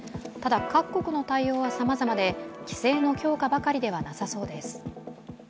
ただ、各国の対応はさまざまで規制の強化ばかりではなさそうです。